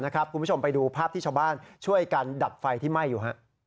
คุณผู้ชมไปดูภาพที่ชาวบ้านช่วยกันดับไฟที่ไหม้อยู่